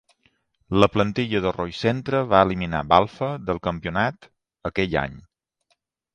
La plantilla de Rollcentre va eliminar Balfe del campionat aquell any.